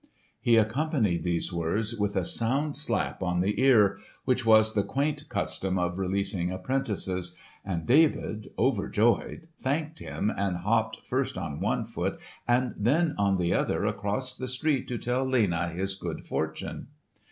He accompanied these words with a sound slap on the ear, which was the quaint custom of releasing apprentices, and David overjoyed thanked him and hopped first on one foot and then on the other across the street to tell Lena his good fortune.